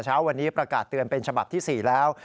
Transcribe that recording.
เช้าวันนี้ประกาศเตือนเป็นฉบับที่๔แล้ว